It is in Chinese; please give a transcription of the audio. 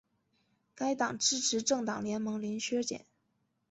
该党支持政党联盟零削减。